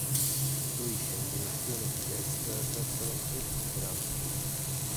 Fluisce in direzione sudest verso lo Stretto di Bransfield.